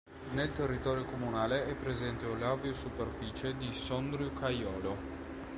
Nel territorio comunale è presente l'Aviosuperfice di Sondrio-Caiolo.